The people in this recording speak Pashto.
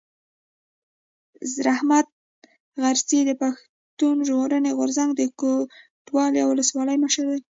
رحمت غرڅنی د پښتون ژغورني غورځنګ د کوټي اولسوالۍ مشر دی.